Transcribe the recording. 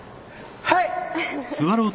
はい！